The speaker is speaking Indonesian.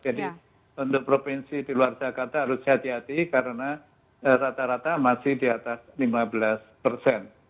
jadi untuk provinsi di luar jakarta harus hati hati karena rata rata masih di atas lima belas persen